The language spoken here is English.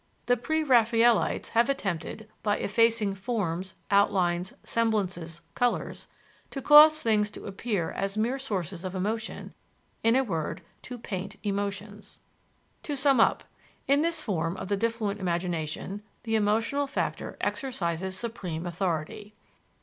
The pre Raphaelites have attempted, by effacing forms, outlines, semblances, colors, "to cause things to appear as mere sources of emotion," in a word, to paint emotions. To sum up In this form of the diffluent imagination the emotional factor exercises supreme authority.